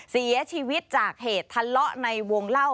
เสียชีวิตจากเหตุทะเลาะในวงเล่า